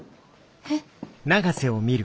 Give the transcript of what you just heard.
えっ？